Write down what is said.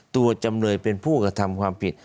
จำเลยเป็นผู้กระทำความผิด